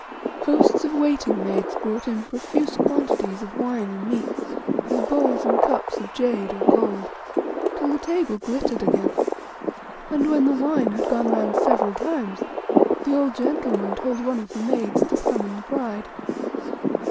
Hosts of waiting maids brought in profuse quantities of wine and meats, with bowls and cups of jade or gold, till the table glittered again. And when the wine had gone round several times, the old gentleman told one of the maids to summon the bride.